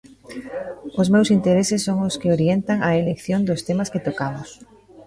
Os meus intereses son os que orientan a elección dos temas que tocamos.